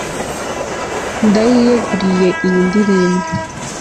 Ndayiyeguriye iyi ndirimbo